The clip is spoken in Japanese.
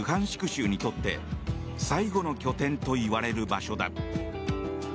州にとって最後の拠点といわれる場所だ。